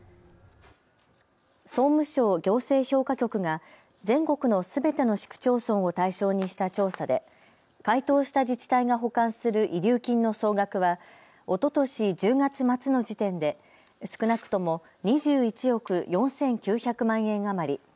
総務省行政評価局が全国のすべての市区町村を対象にした調査で回答した自治体が保管する遺留金の総額はおととし１０月末の時点で少なくとも２１億４９００万円余り。